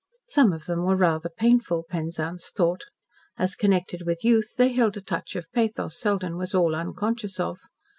Some of them were rather painful, Penzance thought. As connected with youth, they held a touch of pathos Selden was all unconscious of.